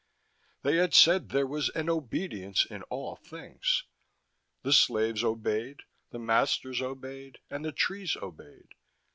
They had said there was an obedience in all things. The slaves obeyed, the masters obeyed, the trees obeyed.